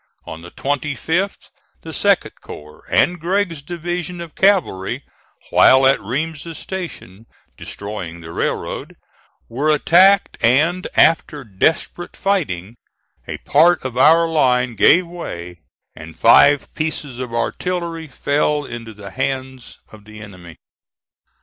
On the 25th, the 2d corps and Gregg's division of cavalry, while at Reams's Station destroying the railroad, were attacked, and after desperate fighting, a part of our line gave way, and five pieces of artillery fell into the hands of the enemy.